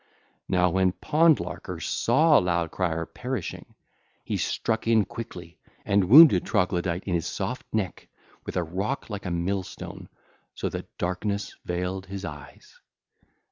Now when Pond larker saw Loud crier perishing, he struck in quickly and wounded Troglodyte in his soft neck with a rock like a mill stone, so that darkness veiled his eyes.